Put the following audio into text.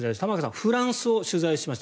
フランスを取材しました。